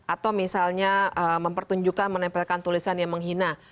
atau misalnya mempertunjukkan menempelkan tulisan yang menghina